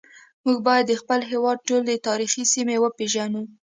موږ باید د خپل هیواد ټولې تاریخي سیمې وپیژنو